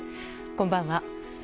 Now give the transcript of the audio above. こんばんは。